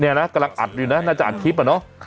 นะกำลังอัดอยู่นะน่าจะอัดคลิปอะเนาะ